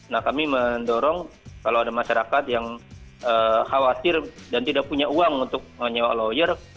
nah kami mendorong kalau ada masyarakat yang khawatir dan tidak punya uang untuk menyewa lawyer